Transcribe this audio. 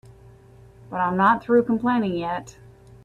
But I'm not through complaining yet.